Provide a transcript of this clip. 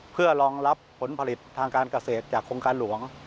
เพื่อรองรับผลผลิตทางการเกษตรจากโครงการหลวง